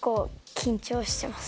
緊張してます？